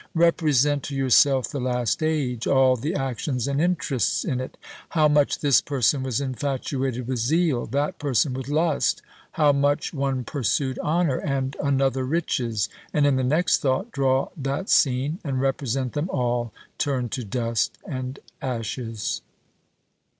Represent to yourself the last age, all the actions and interests in it, how much this person was infatuated with zeal, that person with lust; how much one pursued honour, and another riches; and in the next thought draw that scene, and represent them all turned to dust and ashes!"